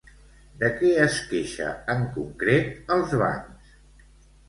De què es queixa en concret als bancs?